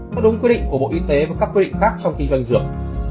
theo đúng quy định của bộ y tế và các quy định khác trong kinh doanh dược